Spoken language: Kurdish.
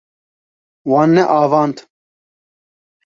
Wan neavand.